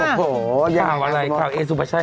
โอ้โหข่าวอะไรข่าวเอสุภาชัย